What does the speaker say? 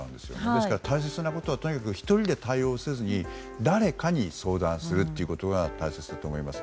ですから、大切なことはとにかく１人で対応せずに誰かに相談するということが大切だと思います。